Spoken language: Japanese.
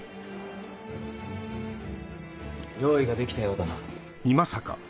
用意ができたようだな。